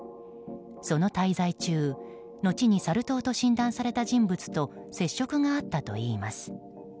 その滞在中後にサル痘と診断された人物と接触があったといいます。